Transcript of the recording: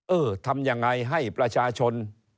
เออทำยังไงให้ประชาชน